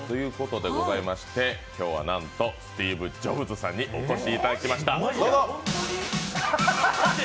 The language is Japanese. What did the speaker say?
今日はなんとスティーブ・ジョブズさんにお越しいただきました。